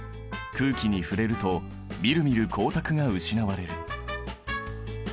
空気に触れるとみるみる光沢が失われる。